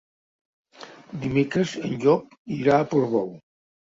Dimecres en Llop irà a Portbou.